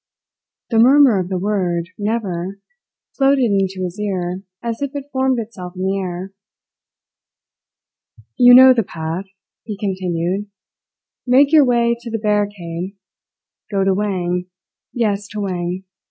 The murmur of the word "Never!" floated into his ear as if it formed itself in the air. "You know the path," he continued. "Make your way to the barricade. Go to Wang yes, to Wang.